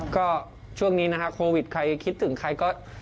ก็ช่วงนี้นะฮะโควิดใครคิดถึงใครก็